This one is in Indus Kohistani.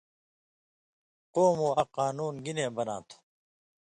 قومواں قانُون گنے بناں تھو؟